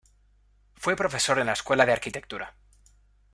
Fue profesor en la escuela de Arquitectura.